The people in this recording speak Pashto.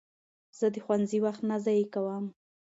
زه د ښوونځي وخت نه ضایع کوم.